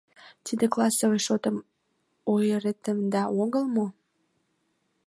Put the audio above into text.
Тиде классовый шотым ойыртемда огыл мо?